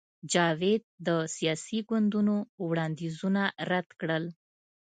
جاوید د سیاسي ګوندونو وړاندیزونه رد کړل